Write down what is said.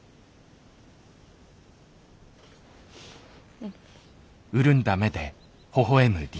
うん。